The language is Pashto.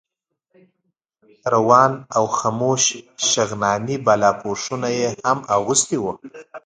روان او خموش شغناني بالاپوشونه یې هم اخیستي وو.